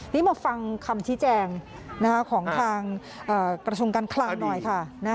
นี่มาฟังคำชี้แจงของทางกระทรวงการคลังหน่อยค่ะ